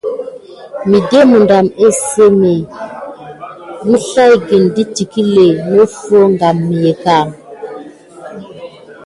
Miɗe miŋɗɑm ésisémé əslay dət iŋkle noffo gum əffete.